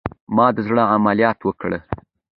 ما د زړه عملیات وکړه